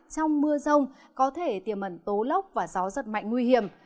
trong mưa rông có thể tiềm ẩn tố lốc và gió giật mạnh nguy hiểm